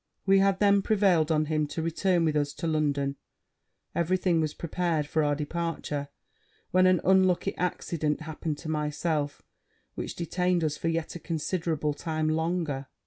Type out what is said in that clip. We had then prevailed on him to return with us to London; every thing was prepared for our departure, when an unlucky accident happened to myself, which detained us for yet a considerable time longer.